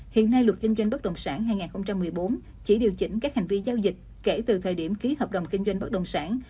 hiện nay luật kinh doanh bất động sản hai nghìn một mươi bốn chỉ điều chỉnh các hành vi giao dịch kể từ thời điểm ký hợp đồng kinh doanh bất đồng sản